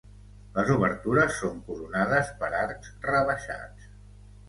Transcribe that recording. Les obertures són coronades per arcs rebaixats.